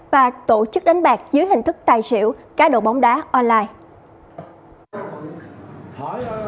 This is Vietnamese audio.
và tổ chức đánh bạc dưới hình thức tài xỉu cá độ bóng đá online